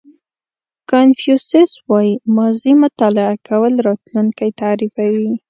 کانفیوسیس وایي ماضي مطالعه کول راتلونکی تعریفوي.